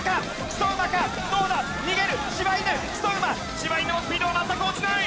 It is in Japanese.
柴犬もスピードが全く落ちない。